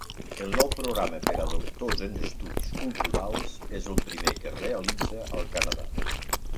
El nou programa per a doctors en estudis culturals és el primer que es realitza al Canadà.